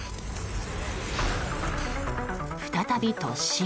再び突進。